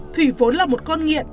thủy vốn là một con nghiện